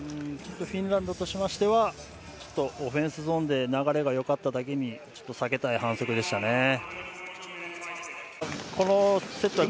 フィンランドとしてはオフェンスゾーンで流れがよかっただけに避けたい反則でしたね。